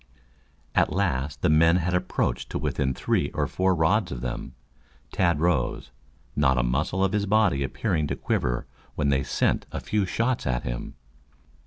At last the men had approached to within three or four rods of them. Tad rose, not a muscle of his body appearing to quiver when they sent a few shots at him.